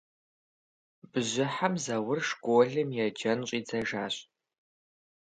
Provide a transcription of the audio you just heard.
Бжьыхьэм Зэур школым еджэн щӀидзэжащ.